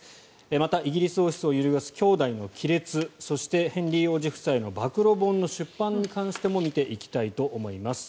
またイギリス王室を揺るがす兄弟の亀裂そしてヘンリー王子夫妻の暴露本の出版についても見ていきたいと思います。